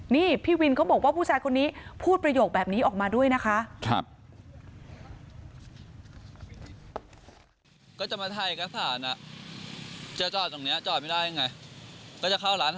นี่พี่วินเขาบอกว่าผู้ชายคนนี้พูดประโยคแบบนี้ออกมาด้วยนะคะ